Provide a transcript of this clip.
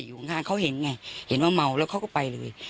อยู่ข้างเขาเห็นไงเห็นว่าเมาแล้วเขาก็ไปเลย